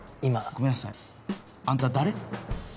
ごめんなさいあんた誰？